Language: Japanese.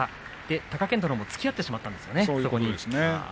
貴健斗もつきあってしまったんですね、そこに。